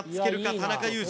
田中裕二。